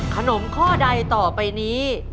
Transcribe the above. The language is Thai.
ข้อใดต่อไปนี้